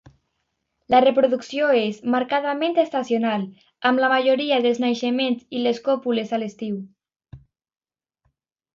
La reproducció és marcadament estacional, amb la majoria dels naixements i les còpules a l'estiu.